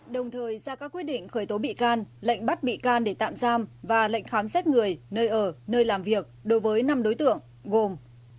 đồng thời ra các quyết định khởi tố bị can lệnh bắt bị can để tạm giam và lệnh khám xét người nơi ở nơi làm việc đối với năm đối tượng gồm